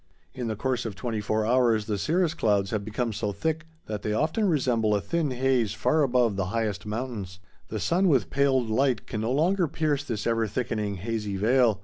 In the course of twenty four hours the cirrus clouds have become so thick that they often resemble a thin haze far above the highest mountains. The sun with paled light can no longer pierce this ever thickening hazy veil.